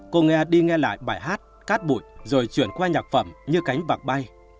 cô nghe đi nghe lại bài hát cát bụi rồi chuyển qua nhạc phẩm như cánh vạc bay